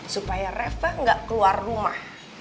supaya reva nggak keluar rumah